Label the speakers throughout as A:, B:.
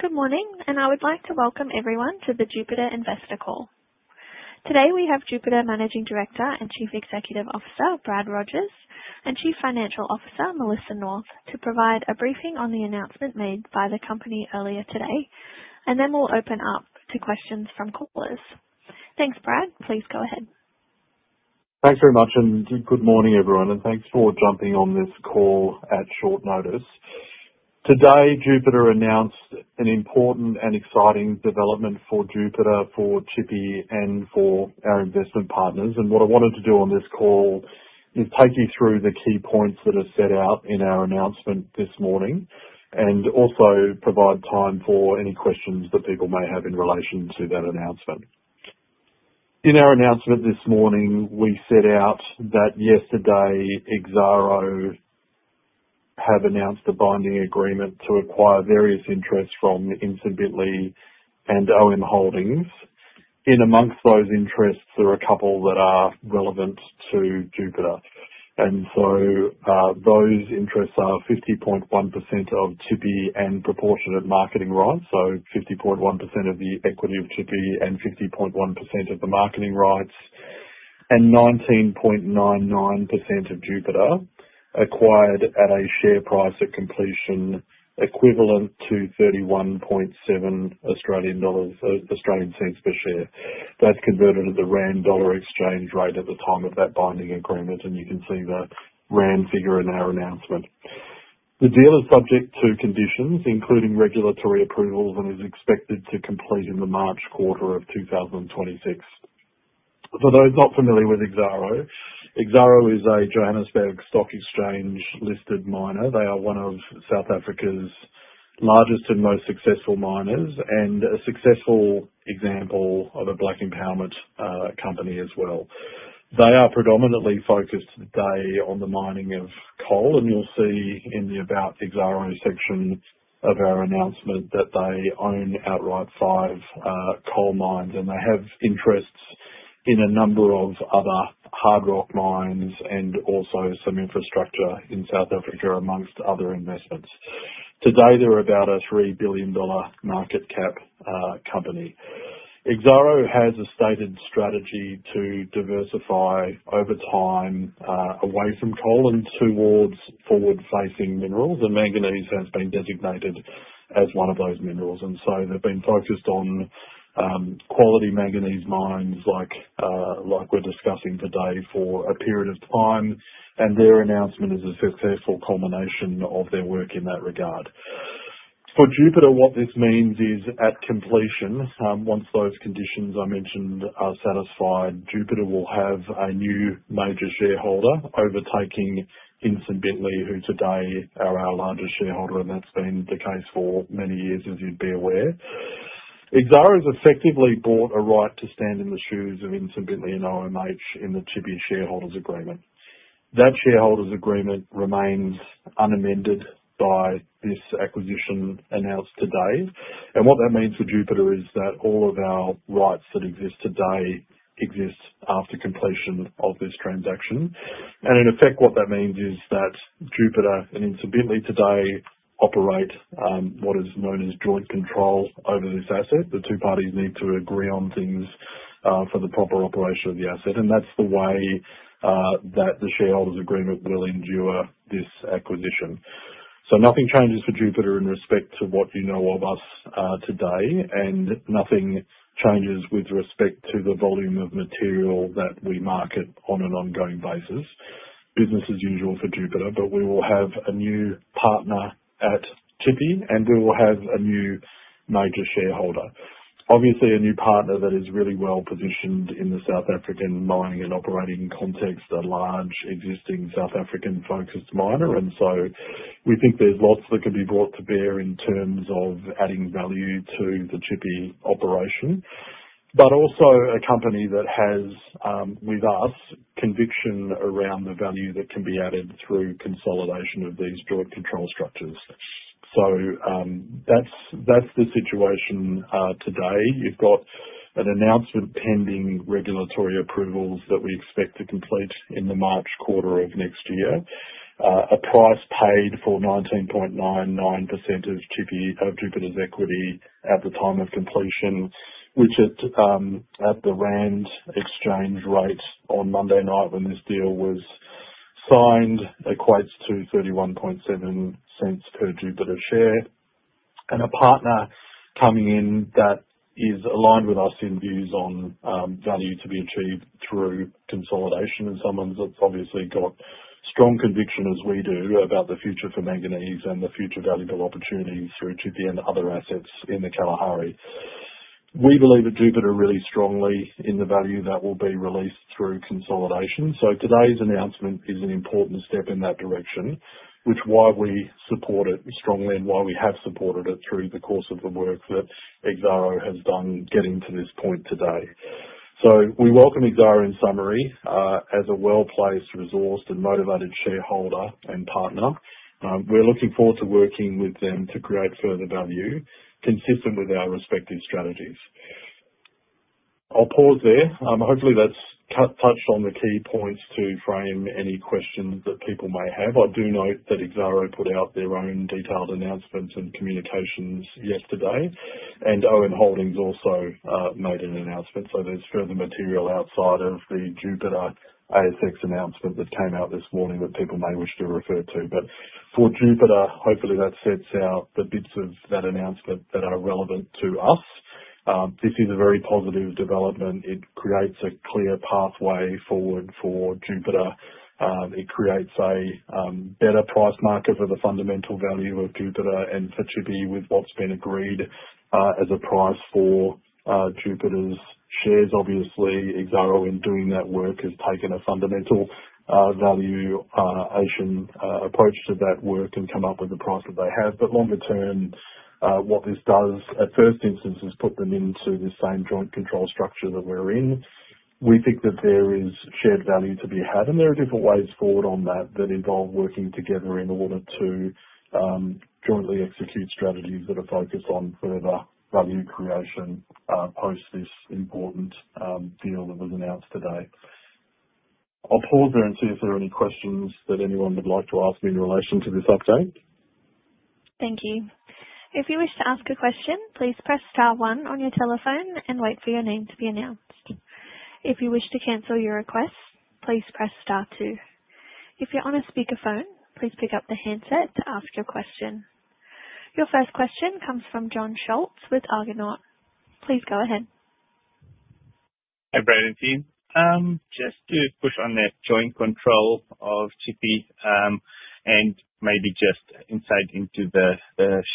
A: Good morning, and I would like to welcome everyone to the Jupiter Investor Call. Today we have Jupiter Managing Director and Chief Executive Officer Brad Rogers, and Chief Financial Officer Melissa North to provide a briefing on the announcement made by the company earlier today, and then we'll open up to questions from callers. Thanks, Brad. Please go ahead.
B: Thanks very much, and good morning, everyone, and thanks for jumping on this call at short notice. Today, Jupiter announced an important and exciting development for Jupiter, for Tshipi, and for our investment partners. What I wanted to do on this call is take you through the key points that are set out in our announcement this morning, and also provide time for any questions that people may have in relation to that announcement. In our announcement this morning, we set out that yesterday, Exxaro have announced a binding agreement to acquire various interests from Incipi and OM Holdings. In amongst those interests, there are a couple that are relevant to Jupiter. Those interests are 50.1% of Tshipi and proportion of marketing rights, so 50.1% of the equity of Tshipi and 50.1% of the marketing rights, and 19.99% of Jupiter acquired at a share price at completion equivalent to 0.317 Australian dollars per share. That is converted to the ZAR exchange rate at the time of that binding agreement, and you can see the ZAR figure in our announcement. The deal is subject to conditions, including regulatory approvals, and is expected to complete in the March quarter of 2026. For those not familiar with Exxaro, Exxaro is a Johannesburg Stock Exchange-listed miner. They are one of South Africa's largest and most successful miners, and a successful example of a black empowerment company as well. They are predominantly focused today on the mining of coal, and you'll see in the About Exxaro section of our announcement that they own outright five coal mines, and they have interests in a number of other hard rock mines and also some infrastructure in South Africa, amongst other investments. Today, they're about a $3 billion market cap company. Exxaro has a stated strategy to diversify over time away from coal and towards forward-facing minerals, and manganese has been designated as one of those minerals. They have been focused on quality manganese mines like we're discussing today for a period of time, and their announcement is a successful culmination of their work in that regard. For Jupiter, what this means is at completion, once those conditions I mentioned are satisfied, Jupiter will have a new major shareholder overtaking Incipi who today are our largest shareholder, and that's been the case for many years, as you'd be aware. Exxaro has effectively bought a right to stand in the shoes of Incipi and OM Holdings in the Tshipi shareholders' agreement. That shareholders' agreement remains unamended by this acquisition announced today, and what that means for Jupiter is that all of our rights that exist today exist after completion of this transaction. In effect, what that means is that Jupiter and Incipi today operate what is known as joint control over this asset. The two parties need to agree on things for the proper operation of the asset, and that's the way that the shareholders' agreement will endure this acquisition. Nothing changes for Jupiter in respect to what you know of us today, and nothing changes with respect to the volume of material that we market on an ongoing basis. Business as usual for Jupiter, but we will have a new partner at Chippy, and we will have a new major shareholder. Obviously, a new partner that is really well positioned in the South African mining and operating context, a large existing South African-focused miner, and we think there is lots that can be brought to bear in terms of adding value to the Chippy operation, but also a company that has, with us, conviction around the value that can be added through consolidation of these joint control structures. That is the situation today. You have got an announcement pending regulatory approvals that we expect to complete in the March quarter of next year. A price paid for 19.99% of Jupiter's equity at the time of completion, which at the ZAR exchange rate on Monday night when this deal was signed, equates to 0.317 per Jupiter share. A partner coming in that is aligned with us in views on value to be achieved through consolidation, and someone that's obviously got strong conviction as we do about the future for manganese and the future valuable opportunities through Chippy and other assets in the Kalahari. We believe at Jupiter really strongly in the value that will be released through consolidation, so today's announcement is an important step in that direction, which is why we support it strongly and why we have supported it through the course of the work that Exxaro has done getting to this point today. We welcome Exxaro in summary as a well-placed, resourced, and motivated shareholder and partner. We're looking forward to working with them to create further value consistent with our respective strategies. I'll pause there. Hopefully, that's touched on the key points to frame any questions that people may have. I do note that Exxaro put out their own detailed announcements and communications yesterday, and OM Holdings also made an announcement, so there's further material outside of the Jupiter ASX announcement that came out this morning that people may wish to refer to. For Jupiter, hopefully that sets out the bits of that announcement that are relevant to us. This is a very positive development. It creates a clear pathway forward for Jupiter. It creates a better price market for the fundamental value of Jupiter and for Tshipi with what's been agreed as a price for Jupiter's shares. Obviously, Exxaro in doing that work has taken a fundamental valuation approach to that work and come up with the price that they have. Longer term, what this does at first instance is put them into the same joint control structure that we're in. We think that there is shared value to be had, and there are different ways forward on that that involve working together in order to jointly execute strategies that are focused on further value creation post this important deal that was announced today. I'll pause there and see if there are any questions that anyone would like to ask me in relation to this update.
A: Thank you. If you wish to ask a question, please press Star 1 on your telephone and wait for your name to be announced. If you wish to cancel your request, please press Star 2. If you're on a speakerphone, please pick up the handset to ask your question. Your first question comes from John Schultz with Argonaut. Please go ahead. Hi, Brad and team. Just to push on that joint control of Tshipi and maybe just insight into the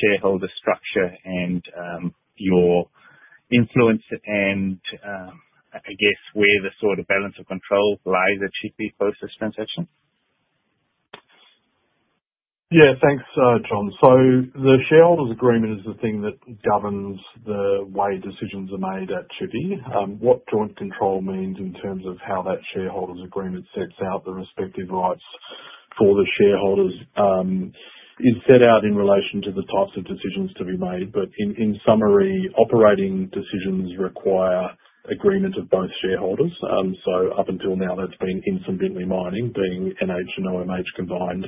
A: shareholder structure and your influence and, I guess, where the sort of balance of control lies at Tshipi post this transaction.
B: Yeah, thanks, John. The shareholders' agreement is the thing that governs the way decisions are made at Tshipi. What joint control means in terms of how that shareholders' agreement sets out the respective rights for the shareholders is set out in relation to the types of decisions to be made. In summary, operating decisions require agreement of both shareholders. Up until now, that's been Incipi Mining being NH and OM Holdings combined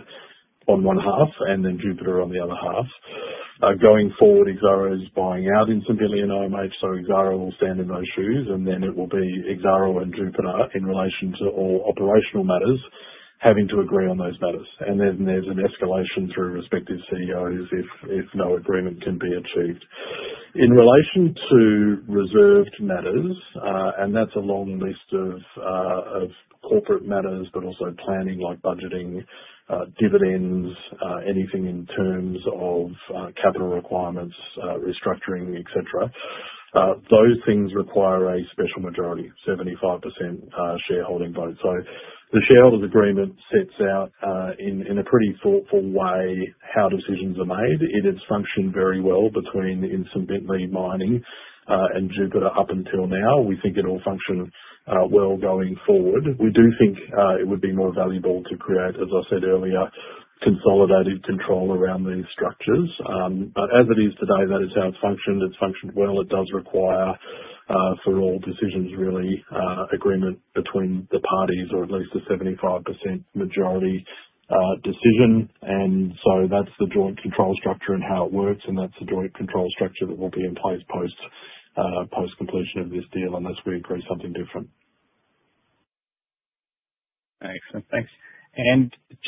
B: on one half and then Jupiter on the other half. Going forward, Exxaro is buying out Incipi and OM Holdings, so Exxaro will stand in those shoes, and it will be Exxaro and Jupiter in relation to all operational matters having to agree on those matters. There is an escalation through respective CEOs if no agreement can be achieved. In relation to reserved matters, and that's a long list of corporate matters, but also planning like budgeting, dividends, anything in terms of capital requirements, restructuring, etc., those things require a special majority, 75% shareholding vote. The shareholders' agreement sets out in a pretty thoughtful way how decisions are made. It has functioned very well between Incipi Mining and Jupiter up until now. We think it'll function well going forward. We do think it would be more valuable to create, as I said earlier, consolidated control around these structures. As it is today, that is how it's functioned. It's functioned well. It does require, for all decisions, really, agreement between the parties or at least a 75% majority decision. That's the joint control structure and how it works, and that's the joint control structure that will be in place post completion of this deal unless we agree something different. Excellent. Thanks.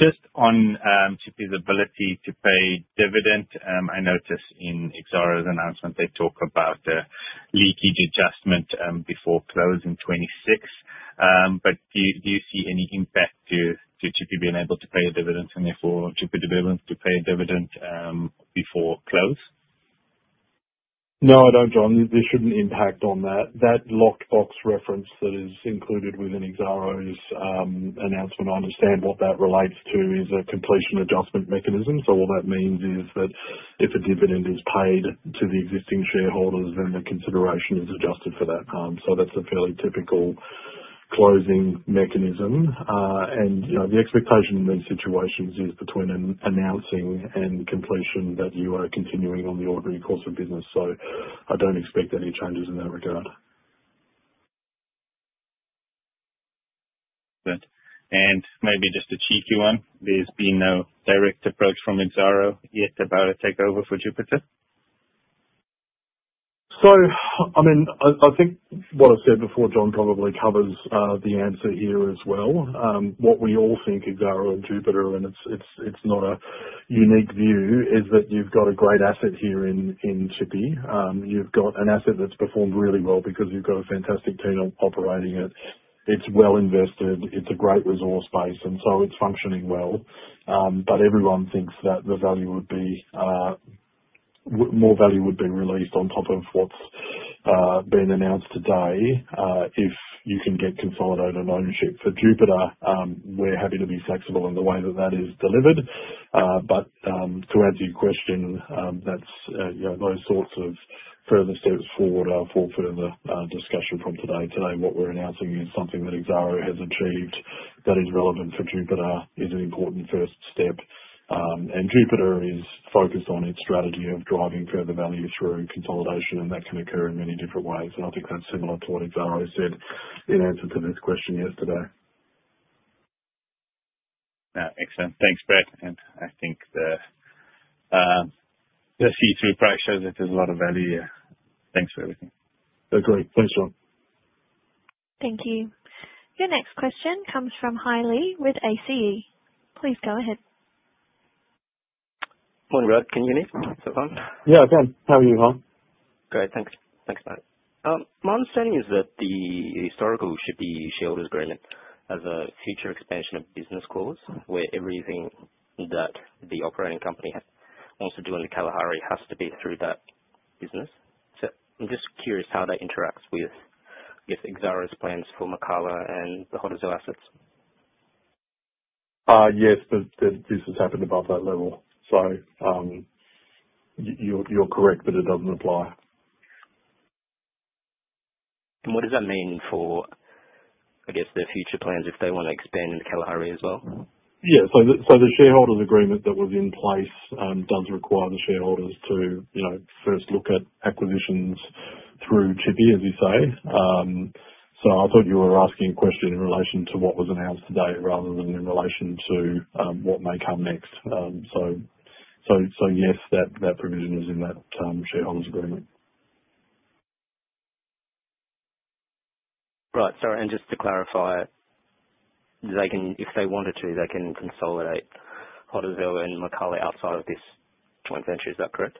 B: Just on Tshipi ability to pay dividend, I noticed in Exxaro's announcement they talk about a leakage adjustment before close in 2026. Do you see any impact to Tshipi being able to pay dividends and therefore Jupiter being able to pay dividends before close? No, I don't, John. There shouldn't be an impact on that. That lockbox reference that is included within Exxaro's announcement, I understand what that relates to, is a completion adjustment mechanism. All that means is that if a dividend is paid to the existing shareholders, then the consideration is adjusted for that. That is a fairly typical closing mechanism. The expectation in these situations is between announcing and completion that you are continuing on the ordinary course of business. I don't expect any changes in that regard. Good. Maybe just a cheeky one, there's been no direct approach from Exxaro yet about a takeover for Jupiter? I mean, I think what I've said before, John, probably covers the answer here as well. What we all think, Exxaro and Jupiter, and it's not a unique view, is that you've got a great asset here in Tshipi. You've got an asset that's performed really well because you've got a fantastic team operating it. It's well invested. It's a great resource base, and so it's functioning well. Everyone thinks that more value would be released on top of what's been announced today if you can get consolidated ownership. For Jupiter, we're happy to be flexible in the way that that is delivered. To answer your question, those sorts of further steps forward are for further discussion from today. Today, what we're announcing is something that Exxaro has achieved that is relevant for Jupiter, is an important first step. Jupiter is focused on its strategy of driving further value through consolidation, and that can occur in many different ways. I think that's similar to what Exxaro said in answer to this question yesterday. Excellent. Thanks, Brad. I think the see-through pressure, there's a lot of value here. Thanks for everything. Okay. Thanks, John.
A: Thank you. Your next question comes from Hiley with Argonaut. Please go ahead. Morning, Brad. Can you hear me? Is that fine?
B: Yeah, I can. How are you, John? Great. Thanks. Thanks, Brad. My understanding is that the historical Tshipi shareholders' agreement has a future expansion of business clause where everything that the operating company wants to do in the Kalahari has to be through that business. I'm just curious how that interacts with Exxaro's plans for Makala and the Hodjo assets. Yes, this has happened above that level. You're correct, but it doesn't apply. What does that mean for, I guess, their future plans if they want to expand in the Kalahari as well? Yeah. The shareholders' agreement that was in place does require the shareholders to first look at acquisitions through Tshipi, as you say. I thought you were asking a question in relation to what was announced today rather than in relation to what may come next. Yes, that provision is in that shareholders' agreement. Right. So and just to clarify, if they wanted to, they can consolidate Hodjo and Makala outside of this joint venture. Is that correct?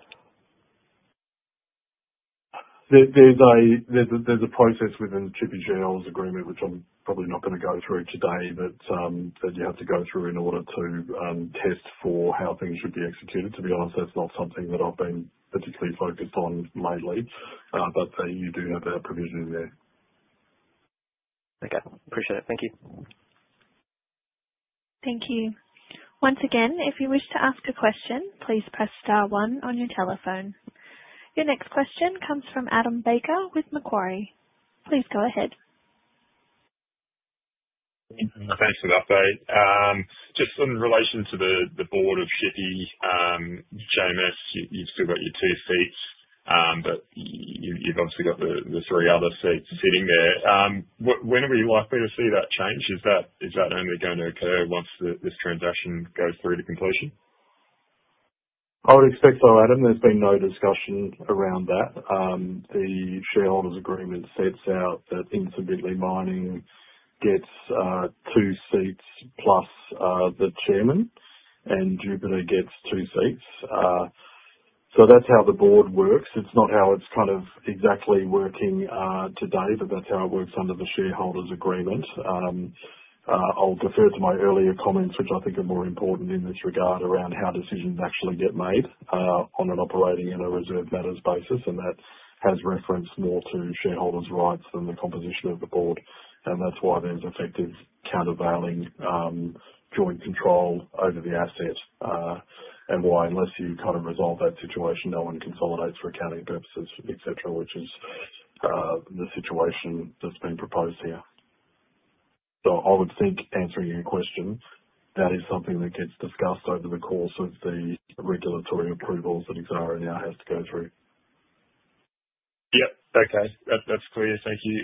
B: There's a process within the Chippy shareholders' agreement, which I'm probably not going to go through today, that you have to go through in order to test for how things should be executed. To be honest, that's not something that I've been particularly focused on lately, but you do have that provision in there. Okay. Appreciate it. Thank you.
A: Thank you. Once again, if you wish to ask a question, please press Star 1 on your telephone. Your next question comes from Adam Baker with Macquarie. Please go ahead. A basic update. Just in relation to the board of Chippy, JMS, you've still got your two seats, but you've obviously got the three other seats sitting there. When are we likely to see that change? Is that only going to occur once this transaction goes through to completion?
B: I would expect so, Adam. There's been no discussion around that. The shareholders' agreement sets out that Incipi Mining gets two seats plus the chairman, and Jupiter gets two seats. So that's how the board works. It's not how it's kind of exactly working today, but that's how it works under the shareholders' agreement. I'll defer to my earlier comments, which I think are more important in this regard around how decisions actually get made on an operating and a reserved matters basis, and that has reference more to shareholders' rights than the composition of the board. That's why there's effective countervailing joint control over the asset and why, unless you kind of resolve that situation, no one consolidates for accounting purposes, etc., which is the situation that's been proposed here. I would think, answering your question, that is something that gets discussed over the course of the regulatory approvals that Exxaro now has to go through. Yeah. Okay. That's clear. Thank you.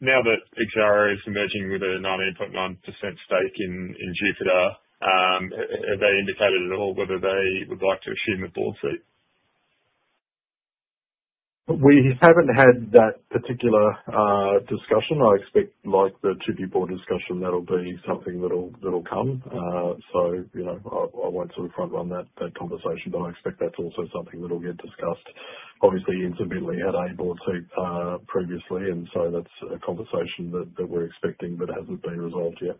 B: Now that Exxaro is merging with a 98.9% stake in Jupiter, have they indicated at all whether they would like to assume the board seat? We haven't had that particular discussion. I expect the Chippy board discussion, that'll be something that'll come. I won't sort of front-run that conversation, but I expect that's also something that'll get discussed. Obviously, Incipi had a board seat previously, and so that's a conversation that we're expecting but hasn't been resolved yet.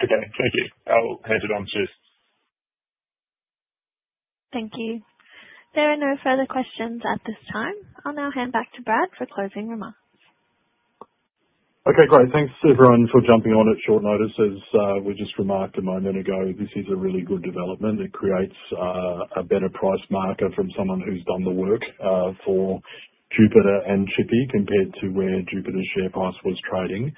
B: Okay. Thank you. I'll hand it on to.
A: Thank you. There are no further questions at this time. I'll now hand back to Brad for closing remarks.
B: Okay. Great. Thanks to everyone for jumping on at short notice. As we just remarked a moment ago, this is a really good development. It creates a better price marker from someone who's done the work for Jupiter and Chippy compared to where Jupiter's share price was trading.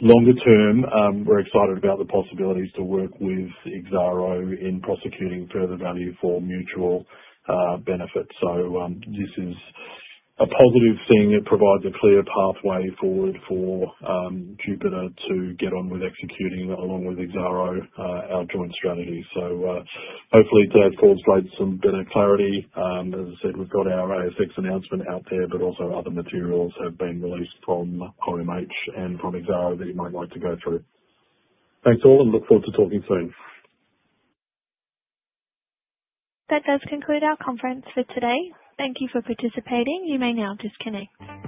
B: Longer term, we're excited about the possibilities to work with Exxaro in prosecuting further value for mutual benefit. This is a positive thing. It provides a clear pathway forward for Jupiter to get on with executing along with Exxaro our joint strategy. Hopefully, it does cause some better clarity. As I said, we've got our ASX announcement out there, but also other materials have been released from OM Holdings and from Exxaro that you might like to go through. Thanks, all, and look forward to talking soon.
A: That does conclude our conference for today. Thank you for participating. You may now disconnect.